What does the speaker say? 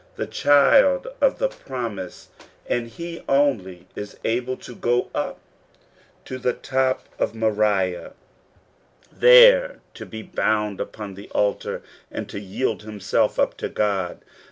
The child of the promise, and he only, is able to go up to the top 1 6 According to tJu Promise. of Moriah, there to be bound upon the altar, and to yield himself up to God.